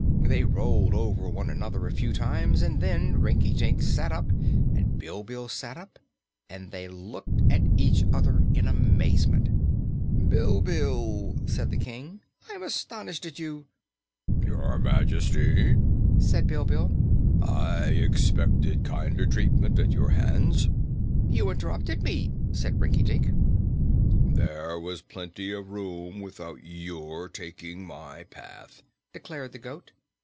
They rolled over one another a few times and then Rinkitink sat up and Bilbil sat up and they looked at each other in amazement. "Bilbil," said the King, "I'm astonished at you!" "Your Majesty," said Bilbil, "I expected kinder treatment at your hands." "You interrupted me," said Rinkitink. "There was plenty of room without your taking my path," declared the goat.